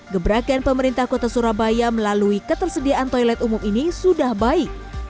gebrakan pemerintah kota surabaya melalui ketersediaan toilet umum ini sudah baik